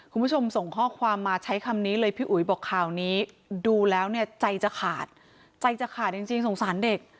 คุณผู้ชมส่งข้อความมาใช้คำนี้เลยพี่อุ๋ยบอกข่าวนี้ดูแล้วเนี่ยใจจะขาดใจจะขาดจริงสงสารเด็ก